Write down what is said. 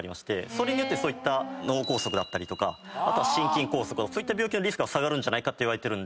それによって脳梗塞だったりとか心筋梗塞そういった病気のリスクは下がるんじゃないかといわれてる。